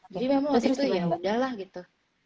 jadi memang waktu itu ya udah lah gitu